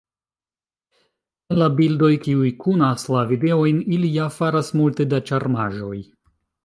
En la bildoj, kiuj kunas la videojn, ili ja faras multe da ĉarmaĵoj.